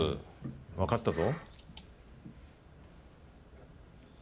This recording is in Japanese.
分かったぞ。